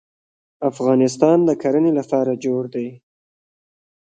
افغانستان د کرنې لپاره جوړ دی.